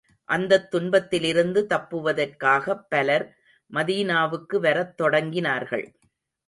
அந்தத் துன்பத்திலிருந்து தப்புவதற்காகப் பலர், மதீனாவுக்கு வரத் தொடங்கினார்கள்.